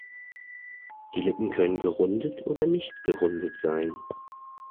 Die Lippen können gerundet oder nicht gerundet sein.